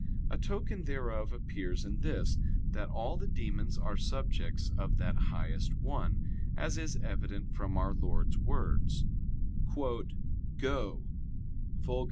A token thereof appears in this, that all the demons are subjects of that highest one; as is evident from our Lord's words: "Go [Vulg.